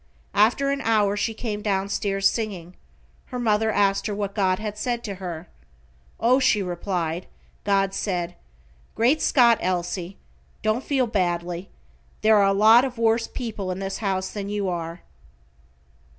After an hour she came down stairs singing; her mother asked her what God had said to her. "O," she replied, "God said, Great Scott, Elsie, don't feel badly, there are a lot of worse people in this house than you are."